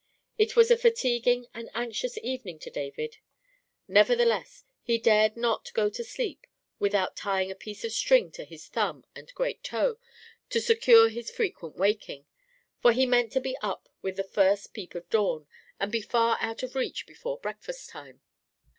It was a fatiguing and anxious evening to David; nevertheless, he dared not go to sleep without tying a piece of string to his thumb and great toe, to secure his frequent waking; for he meant to be up with the first peep of dawn, and be far out of reach before breakfast time.